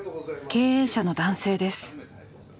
経営者の男性です。